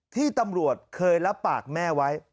ที่ตำรวจเคยรับปากแม่ไว้